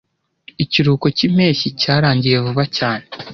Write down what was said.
Ikiruhuko cyimpeshyi cyarangiye vuba cyane.